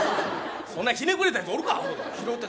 そんなひねくれたやつ、おるか！